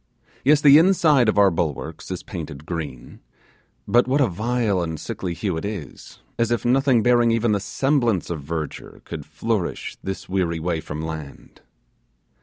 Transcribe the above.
Yes, the inside of our bulwarks is painted green; but what a vile and sickly hue it is, as if nothing bearing even the semblance of verdure could flourish this weary way from land.